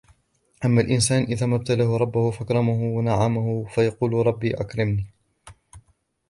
فأما الإنسان إذا ما ابتلاه ربه فأكرمه ونعمه فيقول ربي أكرمن